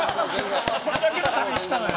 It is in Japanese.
これだけのために来たのよ。